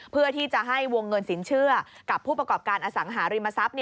เพื่อที่จะให้วงเงินสินเชื่อกับผู้ประกอบการอสังหาริมทรัพย์